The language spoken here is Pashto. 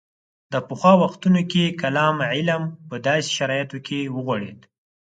د پخوا وختونو کې کلام علم په داسې شرایطو کې وغوړېد.